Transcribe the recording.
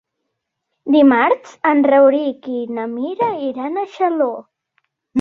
Dimarts en Rauric i na Mira iran a Xaló.